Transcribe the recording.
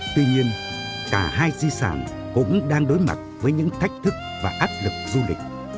tuy nhiên cả hai di sản cũng đang đối mặt với những thách thức và áp lực du lịch